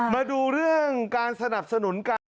มาดูเรื่องการสนับสนุนกัน